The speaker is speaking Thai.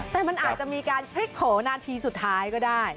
แต่มันอาจจะมีการพลิกโผล่นาทีสุดท้ายก็ได้